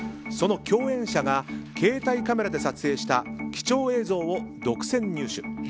その共演者が携帯カメラで撮影した貴重映像を独占入手。